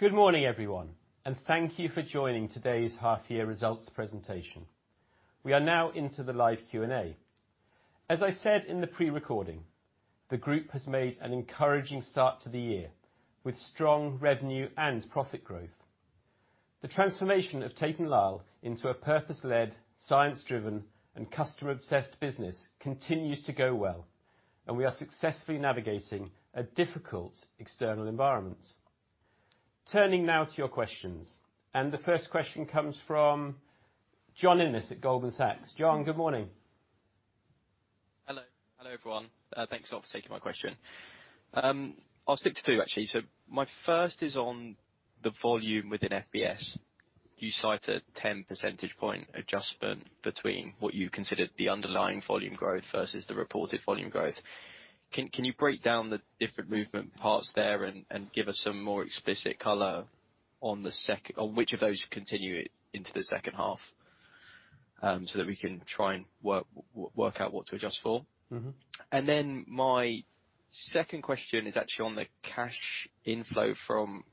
Good morning, everyone, and thank you for joining today's half-year results presentation. We are now into the live Q&A. As I said in the pre-recording, the group has made an encouraging start to the year with strong revenue and profit growth. The transformation of Tate & Lyle into a purpose-led, science-driven, and customer-obsessed business continues to go well, and we are successfully navigating a difficult external environment. Turning now to your questions, and the first question comes from John Ennis at Goldman Sachs. John, good morning. Hello. Hello, everyone. Thanks a lot for taking my question. I'll stick to two, actually. My first is on the volume within FBS. You cited 10 percentage point adjustment between what you considered the underlying volume growth versus the reported volume growth. Can you break down the different movement parts there and give us some more explicit color on which of those continue into the second half? That we can try and work out what to adjust for. Mm-hmm. My second question is actually on the cash inflow from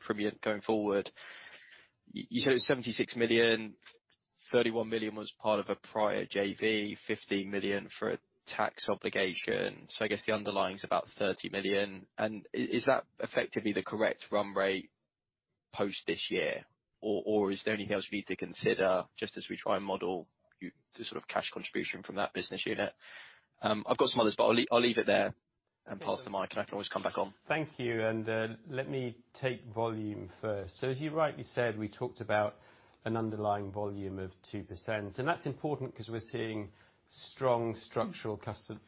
Primient going forward. You said it was 76 million, 31 million was part of a prior JV, 50 million for a tax obligation. I guess the underlying's about 30 million. Is that effectively the correct run rate post this year? Or is there anything else we need to consider, just as we try, and model the sort of cash contribution from that business unit? I've got some others, but I'll leave it there and pass the mic, and I can always come back on. Thank you. Let me take volume first. As you rightly said, we talked about an underlying volume of 2%, and that's important because we're seeing strong structural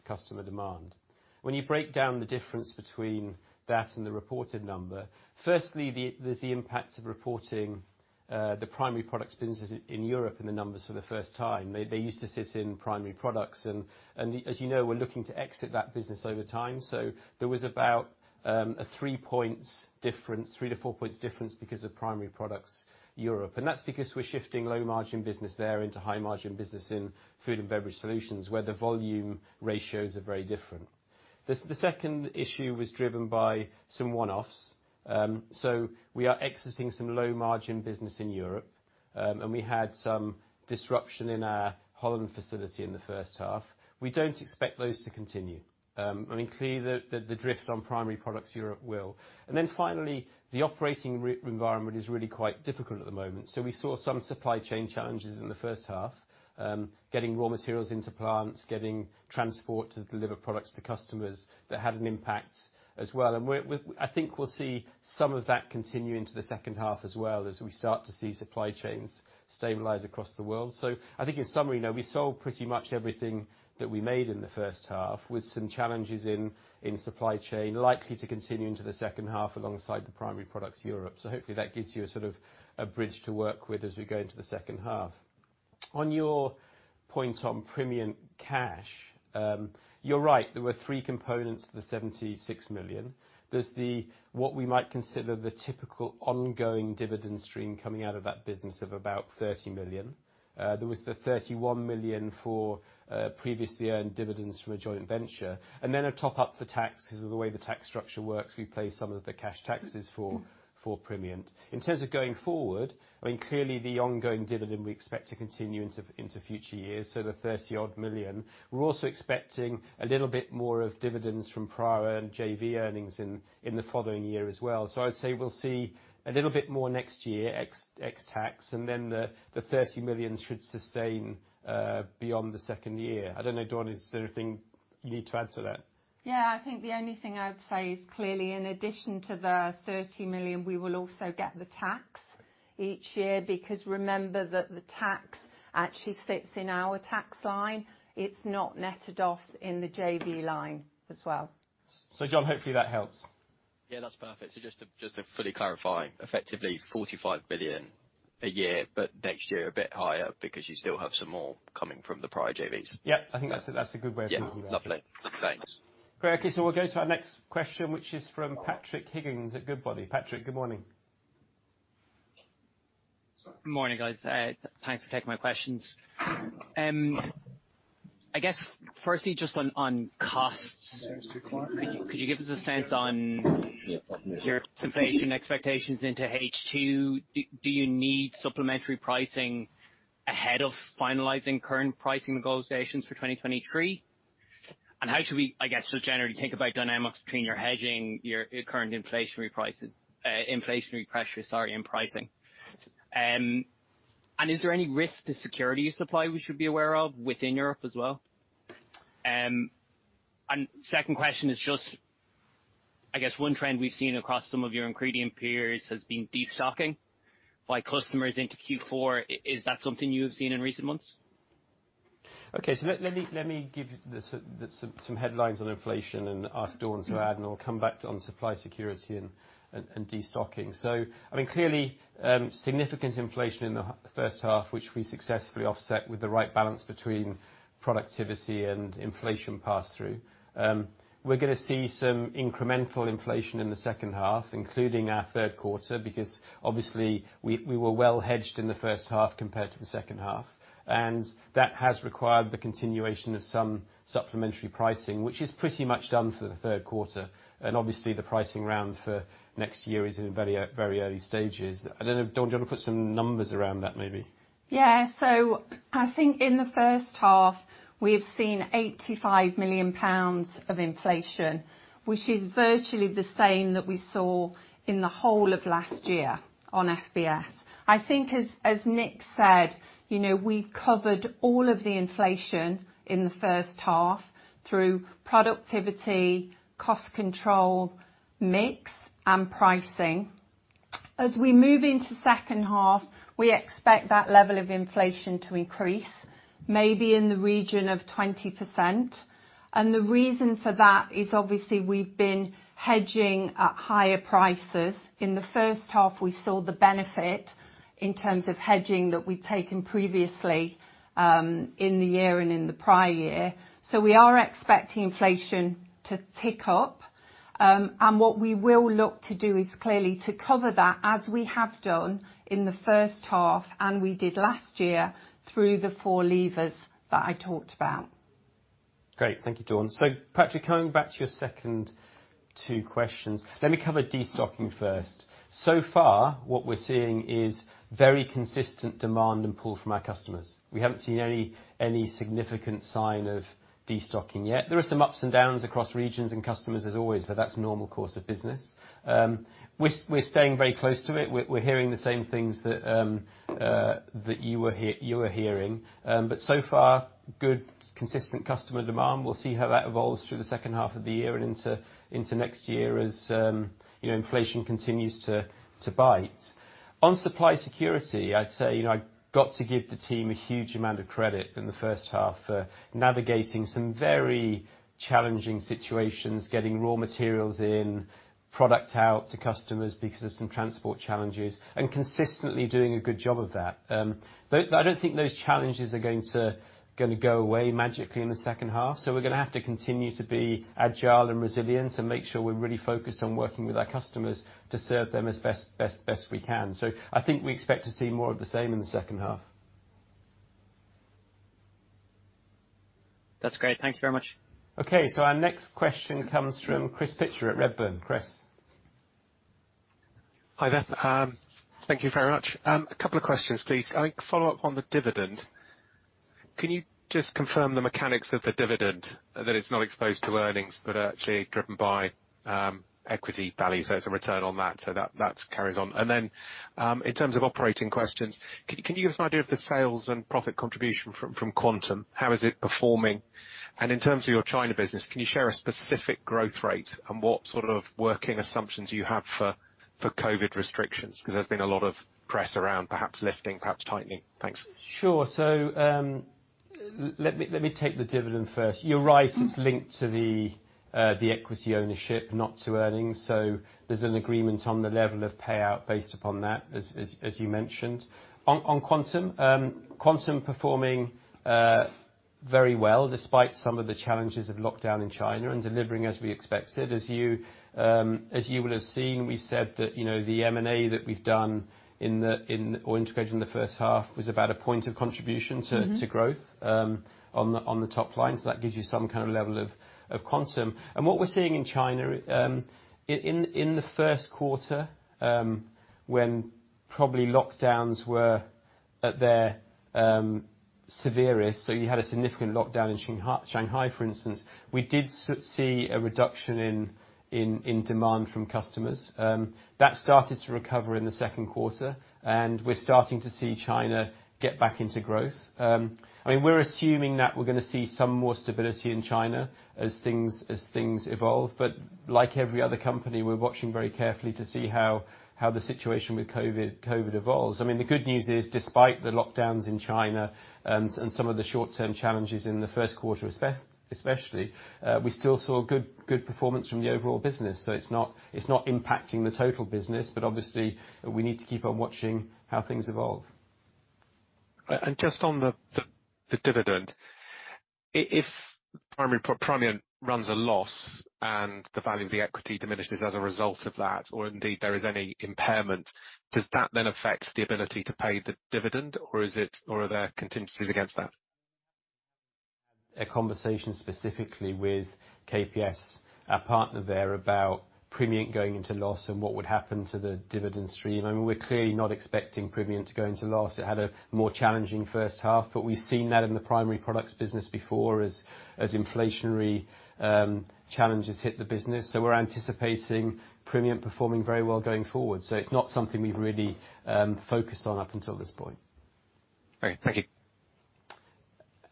customer demand. When you break down the difference between that and the reported number, firstly, there's the impact of reporting the Primary Products business in Europe and the numbers for the first time. They used to sit in Primary Products, and as you know, we're looking to exit that business over time. There was about a 3-4 points difference because of Primary Products Europe. That's because we're shifting low-margin business there into high-margin business in food and beverage solutions, where the volume ratios are very different. The second issue was driven by some one-offs. We are exiting some low-margin business in Europe, and we had some disruption in our Holland facility in the first half. We don't expect those to continue. I mean, clearly, the drift on Primary Products Europe will. Finally, the operating environment is really quite difficult at the moment. We saw some supply chain challenges in the first half, getting raw materials into plants, getting transport to deliver products to customers that had an impact as well. I think we'll see some of that continue into the second half as well as we start to see supply chains stabilize across the world. I think in summary, you know, we sold pretty much everything that we made in the first half, with some challenges in supply chain likely to continue into the second half alongside the Primary Products Europe. Hopefully, that gives you a sort of a bridge to work with as we go into the second half. On your point on Primient cash, you're right. There were three components to the 76 million. There's the, what we might consider the typical ongoing dividend stream coming out of that business of about 30 million. There was the 31 million for previously earned dividends from a joint venture, and then a top-up for tax. Because of the way the tax structure works, we pay some of the cash taxes for Primient. In terms of going forward, I mean, clearly, the ongoing dividend we expect to continue into future years, so the 30-odd million. We're also expecting a little bit more of dividends from prior earned JV earnings in the following year as well. I'd say we'll see a little bit more next year, ex tax, and then the 30 million should sustain beyond the second year. I don't know, Dawn, is there anything you need to add to that? Yeah, I think the only thing I'd say is clearly in addition to the 30 million, we will also get the tax each year because remember that the tax actually sits in our tax line. It's not netted off in the JV line as well. John, hopefully that helps. Yeah, that's perfect. Just to fully clarify, effectively 45 million a year, but next year a bit higher because you still have some more coming from the prior JVs. Yeah, I think that's a good way of looking at it. Yeah. Lovely. Thanks. Great. Okay. We'll go to our next question, which is from Patrick Higgins at Goodbody. Patrick, good morning. Morning, guys. Thanks for taking my questions. I guess firstly, just on costs, could you give us a sense on your inflation expectations into H2? Do you need supplementary pricing ahead of finalizing current pricing negotiations for 2023? How should we, I guess, just generally think about dynamics between your hedging, your current inflationary prices, inflationary pressure, sorry, in pricing? Is there any risk to security of supply we should be aware of within Europe as well? Second question is just, I guess one trend we've seen across some of your ingredient peers has been destocking by customers into Q4. Is that something you have seen in recent months? Okay. Let me give you some headlines on inflation and ask Dawn to add, and I'll come back on supply security and destocking. I mean, clearly, significant inflation in the first half, which we successfully offset with the right balance between productivity and inflation pass-through. We're gonna see some incremental inflation in the second half, including our third quarter, because obviously we were well hedged in the first half compared to the second half, and that has required the continuation of some supplementary pricing, which is pretty much done for the third quarter, and obviously the pricing round for next year is in very early stages. I don't know, Dawn, do you wanna put some numbers around that maybe? Yeah. I think in the first half, we've seen 85 million pounds of inflation, which is virtually the same that we saw in the whole of last year on FBS. I think as Nick said, you know, we covered all of the inflation in the first half through productivity, cost control, mix, and pricing. As we move into second half, we expect that level of inflation to increase maybe in the region of 20%. The reason for that is obviously we've been hedging at higher prices. In the first half, we saw the benefit in terms of hedging that we'd taken previously, in the year and in the prior year. We are expecting inflation to tick up. What we will look to do is clearly to cover that as we have done in the first half, and we did last year through the four levers that I talked about. Great. Thank you, Dawn. Patrick, coming back to your second two questions. Let me cover destocking first. So far, what we're seeing is very consistent demand and pull from our customers. We haven't seen any significant sign of destocking yet. There are some ups and downs across regions and customers as always, but that's normal course of business. We're staying very close to it. We're hearing the same things that you were hearing. So far, good, consistent customer demand. We'll see how that evolves through the second half of the year, and into next year, as you know, inflation continues to bite. On supply security, I'd say, you know, I got to give the team a huge amount of credit in the first half for navigating some very challenging situations, getting raw materials in, product out to customers because of some transport challenges, and consistently doing a good job of that. I don't think those challenges are going to go away magically in the second half, so we're gonna have to continue to be agile and resilient and make sure we're really focused on working with our customers to serve them as best we can. I think we expect to see more of the same in the second half. That's great. Thank you very much. Okay. Our next question comes from Chris Pitcher at Redburn. Chris. Hi there. Thank you very much. A couple of questions, please. I follow up on the dividend. Can you just confirm the mechanics of the dividend, that it's not exposed to earnings, but actually driven by equity value, so it's a return on that so that that carries on? And then, in terms of operating questions, can you give us an idea of the sales and profit contribution from Quantum? How is it performing? And in terms of your China business, can you share a specific growth rate and what sort of working assumptions you have for COVID restrictions? 'Cause there's been a lot of press around, perhaps lifting, perhaps tightening. Thanks. Sure. Let me take the dividend first. You're right, it's linked to the equity ownership, not to earnings. There's an agreement on the level of payout based upon that as you mentioned. On Quantum, performing very well despite some of the challenges of lockdown in China and delivering as we expected. As you will have seen, we said that, you know, the M&A that we've done and integrated in the first half was about a point of contribution to growth on the top line. That gives you some kind of level of Quantum. What we're seeing in China in the first quarter, when probably lockdowns were at their severest, so you had a significant lockdown in Shanghai, for instance, we did see a reduction in demand from customers. That started to recover in the second quarter, and we're starting to see China get back into growth. I mean, we're assuming that we're gonna see some more stability in China as things evolve. Like every other company, we're watching very carefully to see how the situation with COVID evolves. I mean, the good news is, despite the lockdowns in China and some of the short-term challenges in the first quarter especially, we still saw good performance from the overall business. It's not impacting the total business, but obviously, we need to keep on watching how things evolve. Just on the dividend. If Primient runs a loss and the value of the equity diminishes as a result of that or indeed there is any impairment, does that then affect the ability to pay the dividend, or are there contingencies against that? A conversation specifically with KPS, our partner there, about Primient going into loss and what would happen to the dividend stream. I mean, we're clearly not expecting Primient to go into a loss. It had a more challenging first half. We've seen that in the Primary Products business before as inflationary challenges hit the business. We're anticipating Primient performing very well going forward. It's not something we've really focused on up until this point. Great. Thank you.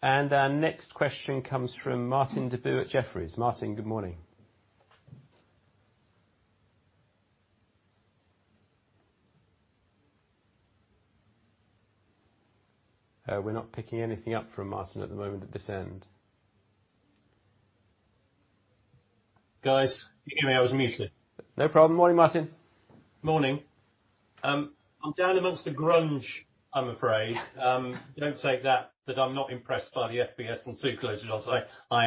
Our next question comes from Martin Deboo at Jefferies. Martin, good morning. We're not picking anything up from Martin at the moment at this end. Guys, can you hear me? I was muted. No problem. Morning, Martin. Morning. I'm down amongst the grunge, I'm afraid. Don't take that I'm not impressed by the FBS and Sucralose results. I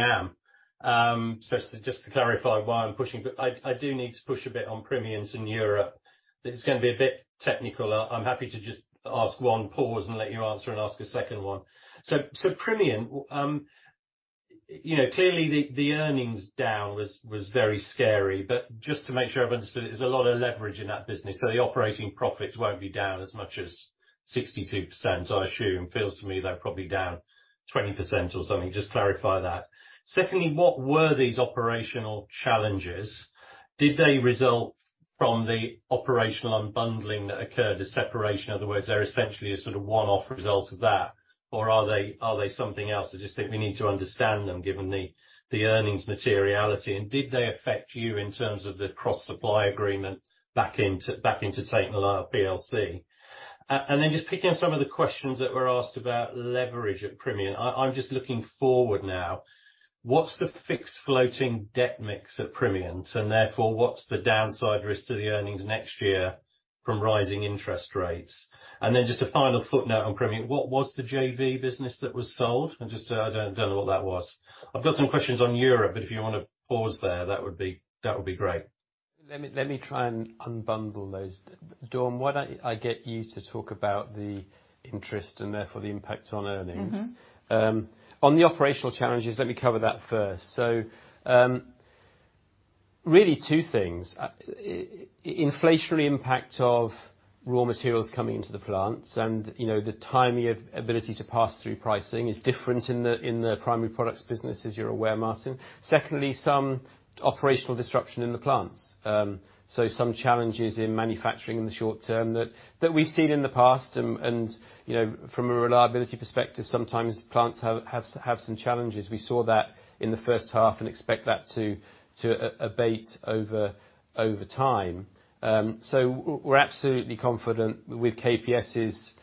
am, so just to clarify why I'm pushing, but I do need to push a bit on Primary in Europe. This is gonna be a bit technical. I'm happy to just ask one, pause, and let you answer and ask a second one. Primient, you know, clearly the earnings down was very scary, but just to make sure I've understood, there's a lot of leverage in that business, so the operating profits won't be down as much as 62%, I assume. Feels to me they're probably down 20% or something. Just clarify that. Secondly, what were these operational challenges? Did they result from the operational unbundling that occurred, the separation in other words, they're essentially a sort of one-off result of that, or are they something else? I just think we need to understand them, given the earnings materiality. Did they affect you in terms of the cross-supply agreement back into Tate & Lyle PLC? Then, just picking up some of the questions that were asked about leverage at Primient. I'm just looking forward now. What's the fixed floating debt mix of Primient's? Therefore, what's the downside risk to the earnings next year from rising interest rates? Then just a final footnote on Primient. What was the JV business that was sold? Just so I don't know what that was. I've got some questions on Europe, but if you wanna pause there, that would be great. Let me try, and unbundle those. Dawn, why don't I get you to talk about the interest and therefore the impact on earnings? Mm-hmm. On the operational challenges, let me cover that first. Really, two things. Inflationary impact of raw materials coming into the plants and, you know, the timing of ability to pass through pricing is different in the Primary Products business, as you're aware, Martin. Secondly, some operational disruption in the plants. Some challenges in manufacturing in the short term that we've seen in the past. You know, from a reliability perspective, sometimes plants have some challenges. We saw that in the first half and expect that to abate over time. We're absolutely confident with KPS's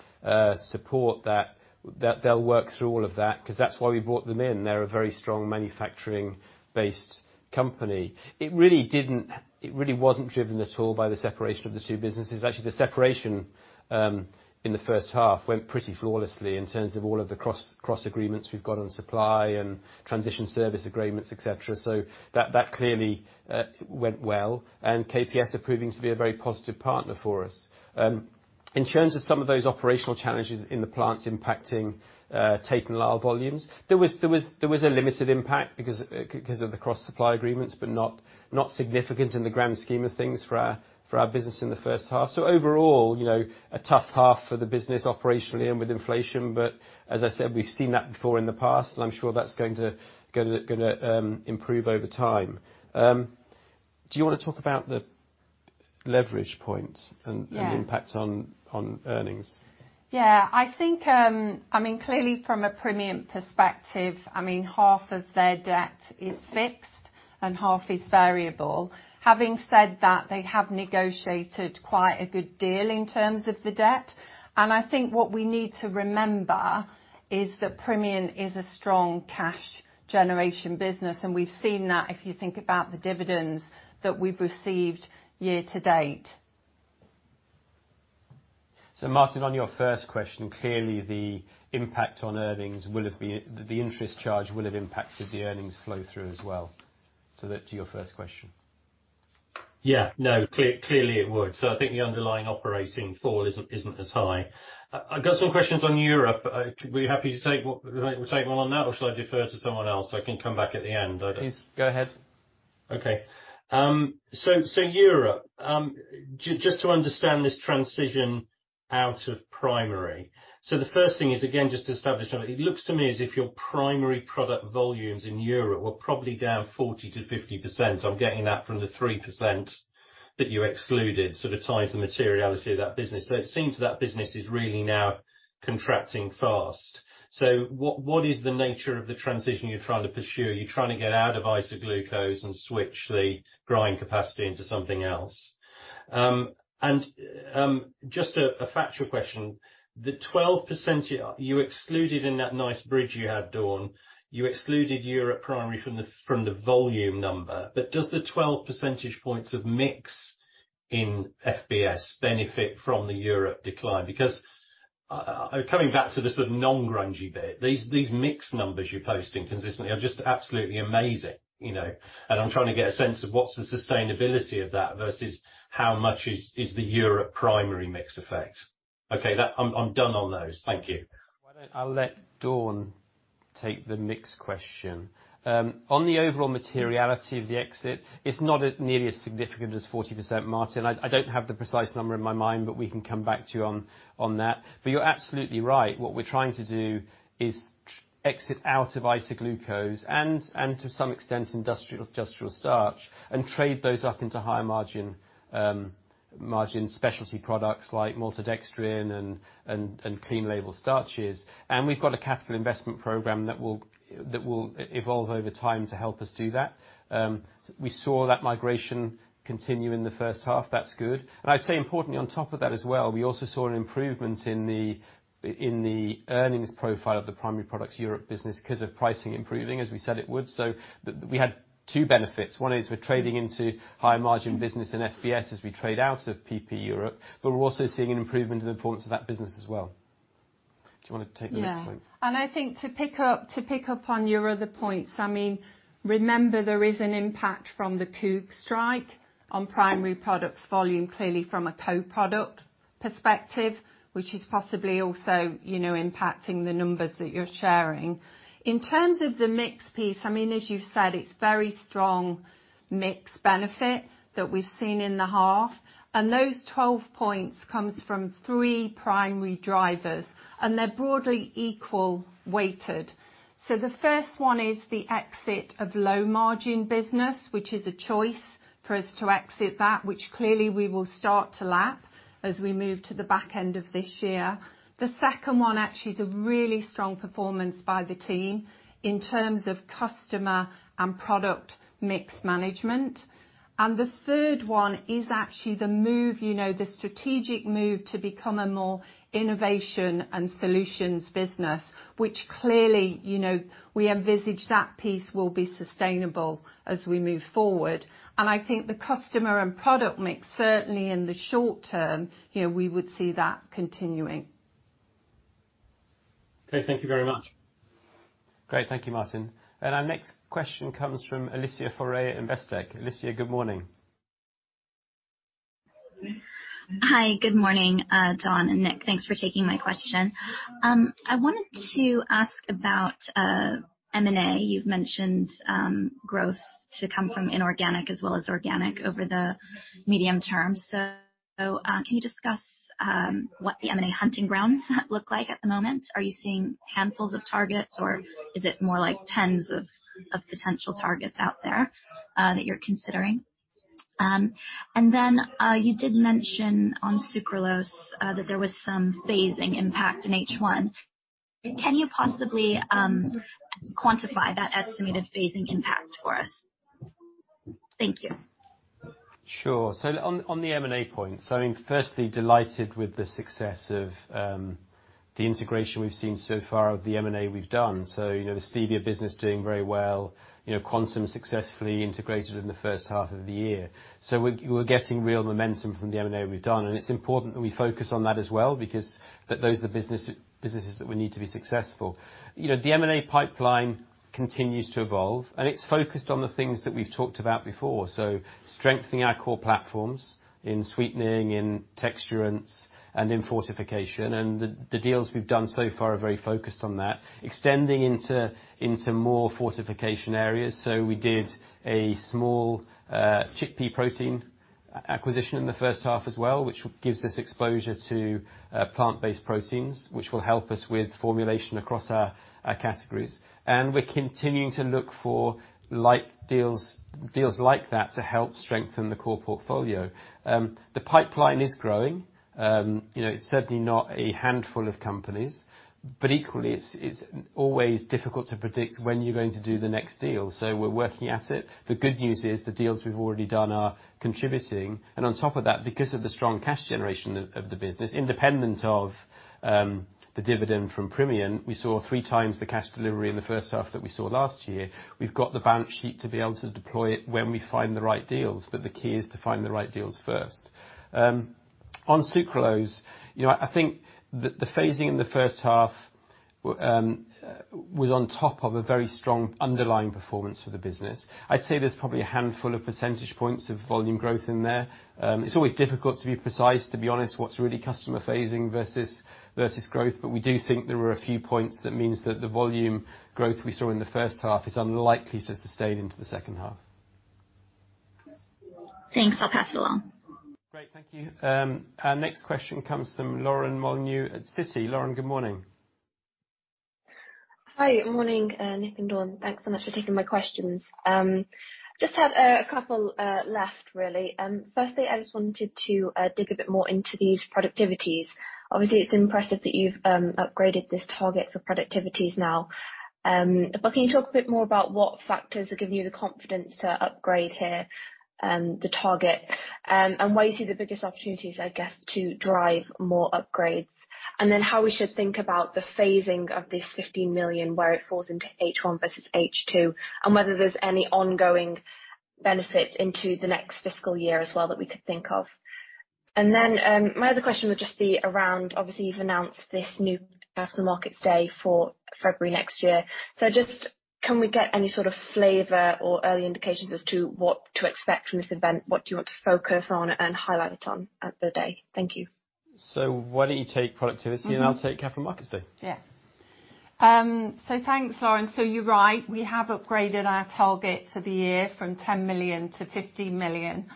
support that they'll work through all of that, 'cause that's why we brought them in. They're a very strong manufacturing-based company. It really didn't. It really wasn't driven at all by the separation of the two businesses. Actually, the separation in the first half went pretty flawlessly in terms of all of the cross agreements we've got on supply and transition service agreements, et cetera. That clearly went well, and KPS are proving to be a very positive partner for us. In terms of some of those operational challenges in the plants impacting Tate & Lyle volumes, there was a limited impact because of the cross-supply agreements, but not significant in the grand scheme of things for our business in the first half. Overall, you know, a tough half for the business operationally and with inflation, but as I said, we've seen that before in the past, and I'm sure that's going to gonna improve over time. Do you wanna talk about the leverage points and- Yeah. impact on earnings? Yeah. I think, I mean, clearly from a Primient perspective, I mean, half of their debt is fixed, and half is variable. Having said that, they have negotiated quite a good deal in terms of the debt, and I think what we need to remember is that Primient is a strong cash generation business, and we've seen that if you think about the dividends that we've received year to date. Martin, on your first question, clearly, the impact on earnings will have been. The interest charge will have impacted the earnings flow through as well. That to your first question. Yeah. No, clearly it would. I think the underlying operating fall isn't as high. I've got some questions on Europe. Were you happy to take one on that, or should I defer to someone else? I can come back at the end. I don't. Please go ahead. Okay. So Europe. Just to understand this transition out of Primary. The first thing is, again, just to establish, it looks to me as if your Primary Products volumes in Europe were probably down 40%-50%. I'm getting that from the 3% that you excluded, sort of ties the materiality of that business. It seems that business is really now contracting fast. What is the nature of the transition you're trying to pursue? Are you trying to get out of isoglucose and switch the growing capacity into something else? Just a factual question. The 12% you excluded in that nice bridge you had, Dawn, you exclude your Primary from the volume number. But does the 12 percentage points of mix in FBS benefit from the European decline? Because, coming back to the sort of non-grungy bit, these mix numbers you're posting consistently are just absolutely amazing, you know, and I'm trying to get a sense of what's the sustainability of that versus how much is the European primary mix effect. Okay, I'm done on those. Thank you. I'll let Dawn take the mix question. On the overall materiality of the exit, it's not nearly as significant as 40%, Martin. I don't have the precise number in my mind, but we can come back to you on that. You're absolutely right. What we're trying to do is exit out of isoglucose and to some extent, industrial starch, and trade those up into higher margin specialty products like maltodextrin and clean label starches. We've got a capital investment program that will evolve over time to help us do that. We saw that migration continued in the first half. That's good. I'd say importantly on top of that as well, we also saw an improvement in the earnings profile of the Primary Products Europe business because of pricing improving, as we said it would. We had two benefits. One is we're trading into higher margin business in FBS as we trade out of PP Europe, but we're also seeing an improvement in the importance of that business as well. Do you want to take the next one? Yeah. I think to pick up on your other points. I mean, remember there is an impact from the corn strike on Primary Products volume, clearly from a co-product perspective, which is possibly also, you know, impacting the numbers that you're sharing. In terms of the mix piece, I mean, as you've said, it's very strong mix benefit that we've seen in the half, and those 12 points comes from three primary drivers, and they're broadly equal weighted. The first one is the exit of low-margin business, which is a choice for us to exit that, which clearly we will start to lap as we move to the back end of this year. The second one actually is a really strong performance by the team in terms of customer and product mix management. The third one is actually the move, you know, the strategic move to become a more innovation and solutions business, which clearly, you know, we envisage that piece will be sustainable as we move forward. I think the customer and product mix, certainly in the short term, you know, we would see that continuing. Okay, thank you very much. Great. Thank you, Martin. Our next question comes from Alicia Forry in Investec. Alicia, good morning. Hi, good morning, Dawn and Nick. Thanks for taking my question. I wanted to ask about M&A. You've mentioned growth to come from inorganic as well as organic over the medium term. Can you discuss what the M&A hunting grounds look like at the moment? Are you seeing handfuls of targets, or is it more like tens of potential targets out there that you're considering? And then you did mention on Sucralose that there was some phasing impact in H1. Can you possibly quantify that estimated phasing impact for us? Thank you. Sure. On the M&A point, I mean, firstly, delighted with the success of the integration we've seen so far of the M&A we've done. You know, the stevia business is doing very well, you know, Quantum successfully integrated in the first half of the year. We're getting real momentum from the M&A we've done, and it's important that we focus on that as well because those are the businesses that we need to be successful. You know, the M&A pipeline continues to evolve, and it's focused on the things that we've talked about before. Strengthening our core platforms in sweetening, in texturants, and in fortification. The deals we've done so far are very focused on that, extending into more fortification areas. We did a small chickpea protein acquisition in the first half as well, which gives us exposure to plant-based proteins, which will help us with formulation across our categories. We're continuing to look for like deals like that to help strengthen the core portfolio. The pipeline is growing. You know, it's certainly not a handful of companies. Equally, it's always difficult to predict when you're going to do the next deal. We're working at it. The good news is the deals we've already done are contributing. On top of that, because of the strong cash generation of the business, independent of the dividend from Primient, we saw 3x the cash delivery in the first half that we saw last year. We've got the balance sheet to be able to deploy it when we find the right deals, but the key is to find the right deals first. On Sucralose, you know, I think the phasing in the first half was on top of a very strong underlying performance for the business. I'd say there's probably a handful of percentage points of volume growth in there. It's always difficult to be precise, to be honest, what's really customer phasing versus growth. We do think there were a few points that mean that the volume growth we saw in the first half is unlikely to sustain into the second half. Thanks. I'll pass it along. Great. Thank you. Our next question comes from Lauren Molyneux at Citi. Lauren, good morning. Hi. Good morning, Nick and Dawn. Thanks so much for taking my questions. Just have a couple left really. Firstly, I just wanted to dig a bit more into these productivities. Obviously, it's impressive that you've upgraded this target for productivity now. Can you talk a bit more about what factors are giving you the confidence to upgrade here the target, and where you see the biggest opportunities, I guess, to drive more upgrades? How we should think about the phasing of this 50 million, where it falls into H1 versus H2, and whether there's any ongoing benefits into the next fiscal year as well that we could think of. My other question would just be around, obviously, you've announced this new Capital Markets Day for February next year. Just can we get any sort of flavor or early indications as to what to expect from this event? What do you want to focus on and highlight on at the day? Thank you. Why don't you take productivity? Mm-hmm. I'll take Capital Markets Day. Yes. Thanks, Lauren. You're right. We have upgraded our target for the year from 10 million to 50 million,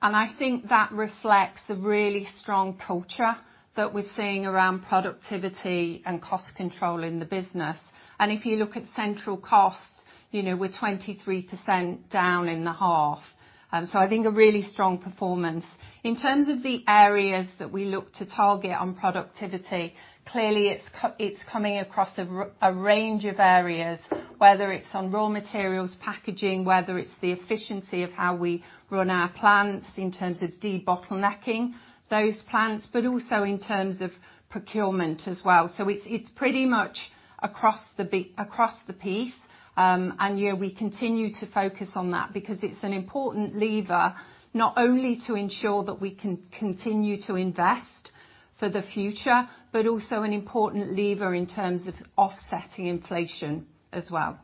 and I think that reflects the really strong culture that we're seeing around productivity and cost control in the business. If you look at central costs, you know, we're 23% down in the half. I think a really strong performance. In terms of the areas that we look to target on productivity, clearly, it's coming across a range of areas, whether it's on raw materials, packaging, whether it's the efficiency of how we run our plants in terms of debottlenecking those plants, but also in terms of procurement as well. It's pretty much across the piece. We continue to focus on that because it's an important lever, not only to ensure that we can continue to invest for the future, but also an important lever in terms of offsetting inflation as well.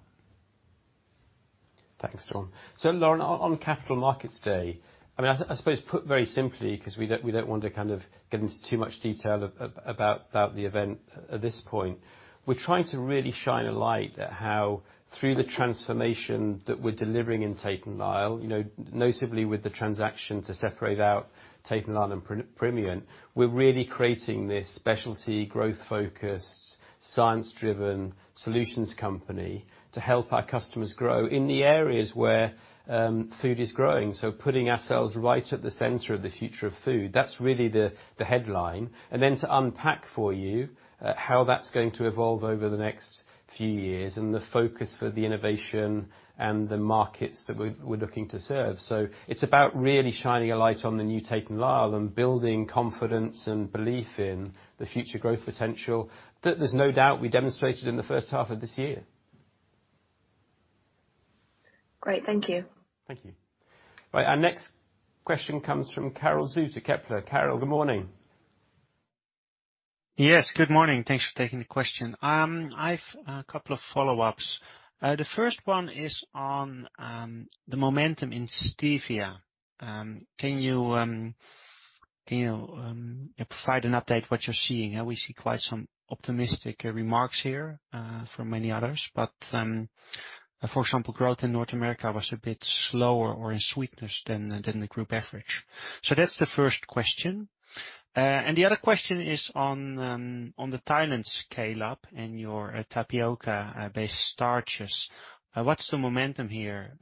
Thanks, Dawn. Lauren, on Capital Markets Day, I mean, I suppose put very simply, 'cause we don't want to kind of get into too much detail about the event at this point. We're trying to really shine a light at how through the transformation that we're delivering in Tate & Lyle, you know, notably with the transaction to separate out Tate & Lyle and Primient. We're really creating this specialty growth-focused, science-driven solutions company to help our customers grow in the areas where food is growing. Putting ourselves right at the center of the future of food, that's really the headline. Then, to unpack for you how that's going to evolve over the next few years and the focus for the innovation and the markets that we're looking to serve. It's about really shining a light on the new Tate & Lyle and building confidence and belief in the future growth potential that there's no doubt we demonstrated in the first half of this year. Great. Thank you. Thank you. Right, our next question comes from Karel Zoete, Kepler. Karel, good morning. Yes, good morning. Thanks for taking the question. I've a couple of follow-ups. The first one is on the momentum in stevia. Can you provide an update what you're seeing? We see quite some optimistic remarks here from many others. For example, growth in North America was a bit slower in sweeteners than the group average. That's the first question. The other question is on the Thailand scale-up and your tapioca-based starches. What's the momentum here?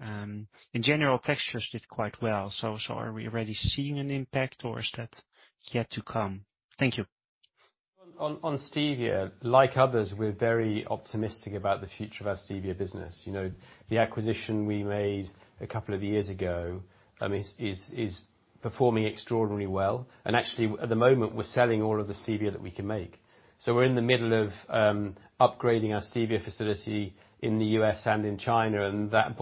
In general, texturants did quite well, so are we already seeing an impact, or is that yet to come? Thank you. On stevia, like others, we're very optimistic about the future of our stevia business. You know, the acquisition we made a couple of years ago is performing extraordinarily well. Actually, at the moment, we're selling all of the stevia that we can make. We're in the middle of upgrading our stevia facility in the U.S. and in China, and that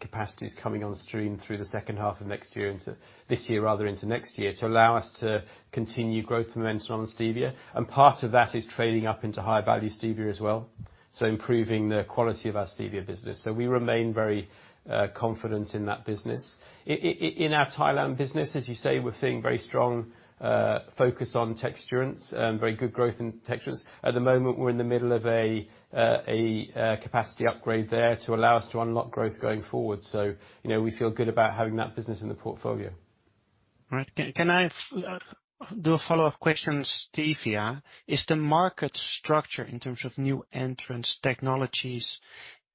capacity is coming on stream through the second half of next year into this year, rather, into next year, to allow us to continue growth momentum on the stevia. Part of that is trading up into high-value stevia as well. Improving the quality of our stevia business. We remain very confident in that business. In our Thailand business, as you say, we're seeing very strong focus on texturants, very good growth in texturants. At the moment, we're in the middle of a capacity upgrade there to allow us to unlock growth going forward. You know, we feel good about having that business in the portfolio. Right. Can I do a follow-up question on stevia? Is the market structure in terms of new entrant technologies,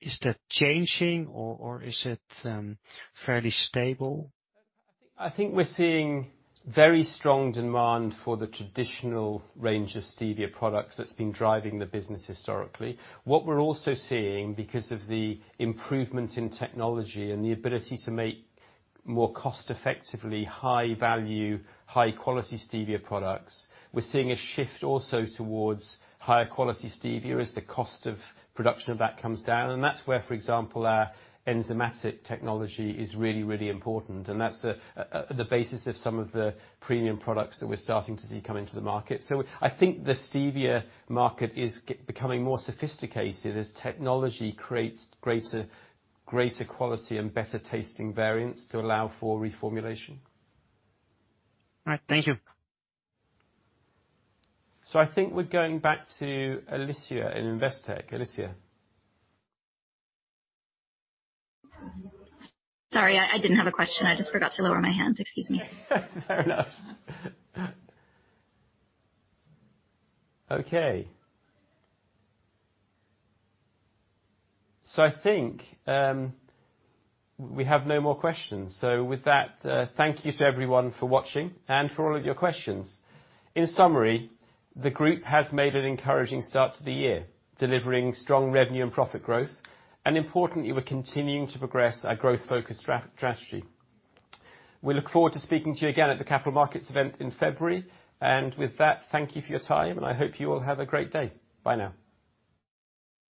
is that changing, or is it fairly stable? I think we're seeing very strong demand for the traditional range of stevia products that's been driving the business historically. What we're also seeing, because of the improvement in technology and the ability to make more cost-effectively high-value, high-quality stevia products, we're seeing a shift also towards higher quality stevia as the cost of production of that comes down. That's where, for example, our enzymatic technology is really important. That's the basis of some of the premium products that we're starting to see come into the market. I think the stevia market is becoming more sophisticated as technology creates greater quality and better-tasting variants to allow for reformulation. All right. Thank you. I think we're going back to Alicia Forry in Investec. Alicia? Sorry, I didn't have a question. I just forgot to lower my hand. Excuse me. Fair enough. Okay. I think we have no more questions. With that, thank you to everyone for watching and for all of your questions. In summary, the group has made an encouraging start to the year, delivering strong revenue and profit growth. Importantly, we're continuing to progress our growth-focused strategy. We look forward to speaking to you again at the capital markets event in February. With that, thank you for your time, and I hope you all have a great day. Bye now.